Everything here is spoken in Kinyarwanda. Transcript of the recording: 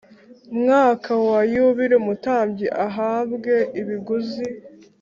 mwaka wa yubile umutambyi ahabwe ibiguzi